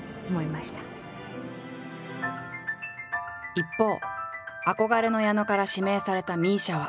一方憧れの矢野から指名されたＭＩＳＩＡは。